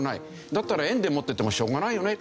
だったら円で持っていてもしょうがないよね。